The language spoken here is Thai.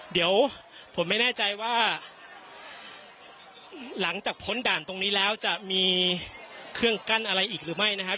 เดี๋ยวผมไม่แน่ใจว่าหลังจากพ้นด่านตรงนี้แล้วจะมีเครื่องกั้นอะไรอีกหรือไม่นะครับ